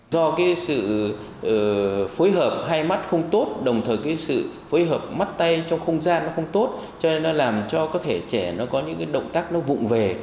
do sự phối hợp hai mắt không tốt đồng thời sự phối hợp mắt tay trong không gian không tốt cho nên nó làm cho có thể trẻ có những động tác vụn về